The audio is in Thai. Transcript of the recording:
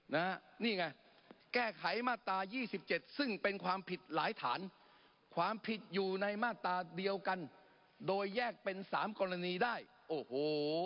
นี่ไงแก้ไขมาตรายี่สิบเจ็ดซึ่งเป็นความผิดหลายฐานความผิดอยู่ในมาตราเดียวกันโดยแยกเป็นสามกรณีได้โอ้โห